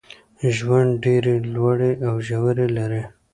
ژوند ډېري لوړي او ژوري لري.